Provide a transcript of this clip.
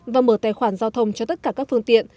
và mở tài khoản giao thông cho tất cả các phương tiện